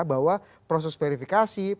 bahwa proses verifikasi